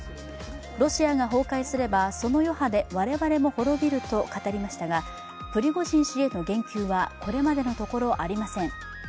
ロシアが崩壊すればその余波で我々も滅びると語りましたが、プリゴジン氏への言及はこれまでのところ、ありません。